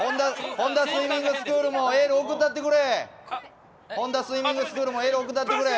本多スイミングスクールもエール送ったってくれ。